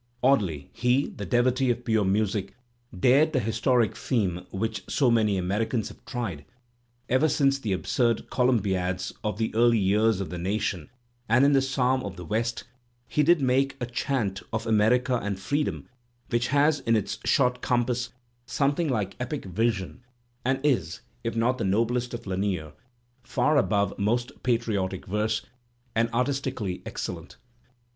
Oddly enough, he, the devotee of pure music, dared the historic theme which so many Americans have tried, ever since*liie absurd Columbiads of the early years of the nation, and in the "Psalm of the West'* Digitized by Google 822 THE SPIRIT OP AMERICAN LITERATURE he did make a chant of America and Preedom which has in its short compass something like epic vision and is, if not the noblest of Lanier, far above most patriotic verse, and artis tically excellent.